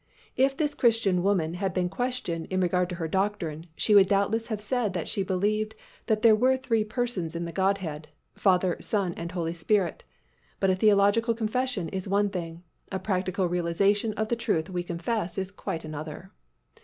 If this Christian woman had been questioned in regard to her doctrine, she would doubtless have said that she believed that there were three Persons in the Godhead, Father, Son and Holy Spirit, but a theological confession is one thing, a practical realization of the truth we confess is quite another.